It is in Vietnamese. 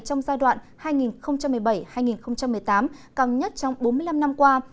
trong giai đoạn hai nghìn một mươi bảy hai nghìn một mươi tám cao nhất trong bốn mươi năm năm qua